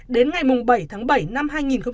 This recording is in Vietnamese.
đến ngày bảy tháng bảy năm hai nghìn hai mươi